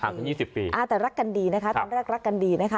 ห่างกันยี่สิบปีอ่าแต่รักกันดีนะคะครับรักรักกันดีนะคะ